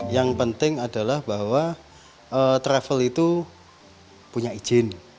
yang penting adalah bahwa travel itu punya izin